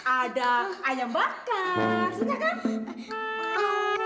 ada ayam bakar suka kan